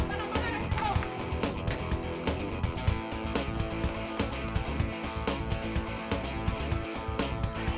balik balik balik